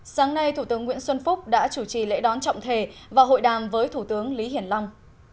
sáng nay thủ tướng nguyễn xuân phúc đã chủ trì lễ đón trọng thể và hội đàm với thủ tướng lý hiển long